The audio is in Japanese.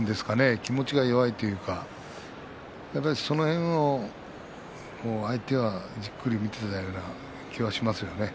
気持ちが弱いというかその辺を相手はじっくり見ているような気がしますね。